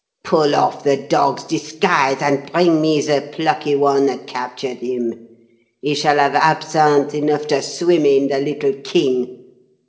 Pull off the dog's disguise, and bring me the plucky one that captured him. He shall have absinthe enough to swim in, the little king!